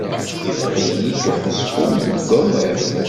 Iffeɣ-iyi-d uḥezqul seg wawal!